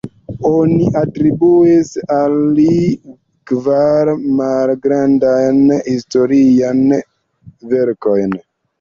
Oni atribuis al li kvar malgrandajn historiajn verkojn.